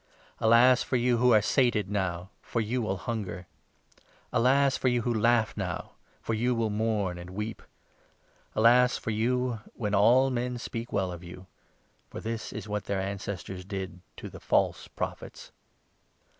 Alas for you who are sated now, for you will hunger. 25 Alas for you who laugh now, for you will mourn and weep. Alas for you when all men speak well of you ; for this is what 26 their ancestors did to the false Prophets.